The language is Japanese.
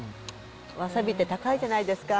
わさびって高いじゃないですか。